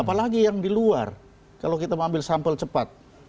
apalagi yang di luar kalau kita mau ambil sampel cepat